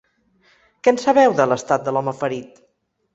Què en sabeu de l’estat de l’home ferit?